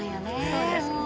そうですね。